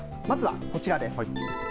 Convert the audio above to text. まずはこちらです。